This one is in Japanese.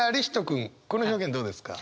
君この表現どうですか？